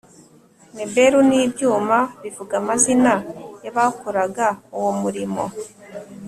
nebelu n ibyuma bivuga Amazina y abakoraga uwo murimo